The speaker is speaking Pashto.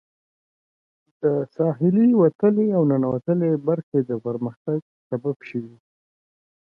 د ساحلي وتلې او ننوتلې برخې د پرمختګ سبب شوي.